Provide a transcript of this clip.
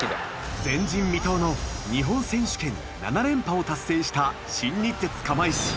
前人未到の日本選手権７連覇を達成した新日鉄釜石。